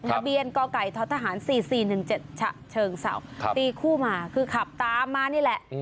ทะเบียนกไก่ททหาร๔๔๑๗ฉะเชิงเศร้าตีคู่มาคือขับตามมานี่แหละ